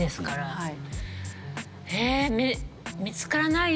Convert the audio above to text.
はい。